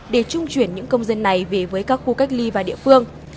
để trung chuyển những công dân này về với các khu cách ly và địa phương